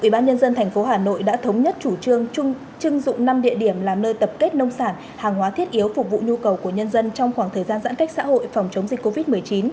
bộ nhân dân thành phố hà nội đã thống nhất chủ trương chung dụng năm địa điểm làm nơi tập kết nông sản hàng hóa thiết yếu phục vụ nhu cầu của nhân dân trong khoảng thời gian giãn cách xã hội phòng chống dịch covid một mươi chín